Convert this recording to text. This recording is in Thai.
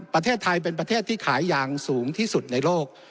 ประเทศไทยเป็นประเทศที่ขายยางสูงที่สุดในโลก